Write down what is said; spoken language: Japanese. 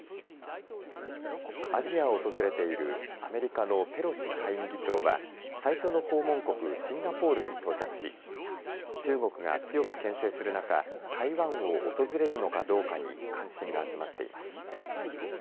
アジアを訪れているアメリカのペロシ下院議長が最初の訪問国シンガポールに到着し中国が強くけん制する中台湾を訪れるのかどうかに関心が集まっています。